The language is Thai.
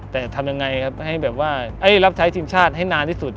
แต่ทำยังไงครับให้แบบว่ารับใช้ทีมชาติให้นานที่สุด